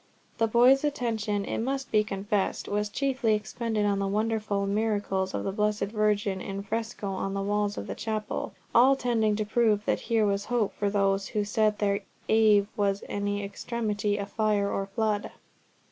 The boys' attention, it must be confessed, was chiefly expended on the wonderful miracles of the Blessed Virgin in fresco on the walls of the chapel, all tending to prove that here was hope for those who said their Ave in any extremity of fire or flood.